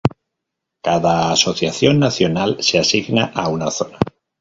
Cada asociación nacional se asigna a una zona.